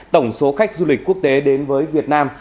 tổng số khách du lịch quốc tế đến với việt nam